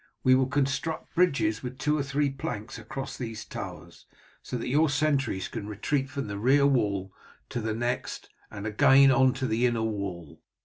We will construct bridges with two or three planks across these towers, so that your sentries can retreat from the rear wall to the next, and again on to the inner wall.